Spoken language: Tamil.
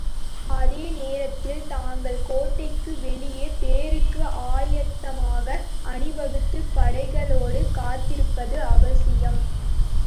அதே நேரத்தில் தாங்கள் கோட்டைக்கு வெளியே போருக்கு ஆயத்தமாக அணிவகுத்த படைகளோடு காத்திருப்பது அவசியம்.